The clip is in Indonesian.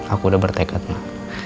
aku udah bertekad ma